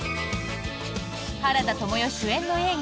原田知世主演の映画